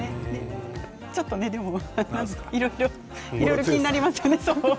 ちょっといろいろ気になりますよね。